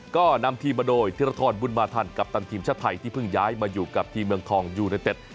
ก็นำทีมมาโดยธิรทรบุญมาทันกัปตันทีมชาติไทยที่เพิ่งย้ายมาอยู่กับทีมเมืองทองยูเนเต็ด